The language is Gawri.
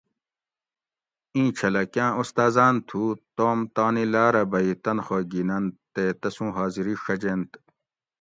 اِینچھلہ کاٞں اُستاذاٞن تھُو توم تانی لاٞرہ بھٞئ تنخہ گھِیننت تے تسُوں حاضری ݭجینت